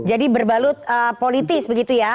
jadi berbalut politis begitu ya